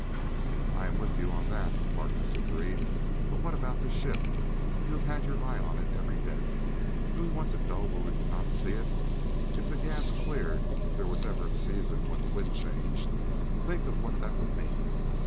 "I am with you on that," Harkness agreed, "but what about the ship? You have had your eye on it every day; do we want to go where we could not see it? If the gas cleared, if there was ever a season when the wind changed, think of what that would mean.